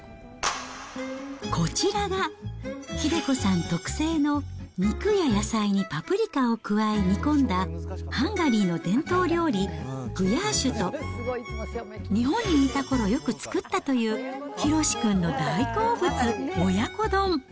こちらが、英子さん特製の肉や野菜にパプリカを加え煮込んだハンガリーの伝統料理、グヤーシュと、日本にいたころよく作ったというヒロシ君の大好物、親子丼。